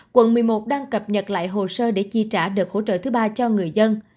quận một mươi một đang cập nhật lại hồ sơ để chi trả đợt hỗ trợ thứ ba cho người dân